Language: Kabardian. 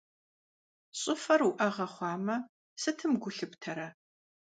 ЩӀыфэр уӀэгъэ хъуамэ, сытым гу лъыптэрэ?